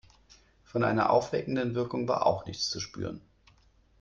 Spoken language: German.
Von einer aufweckenden Wirkung war auch nichts zu spüren.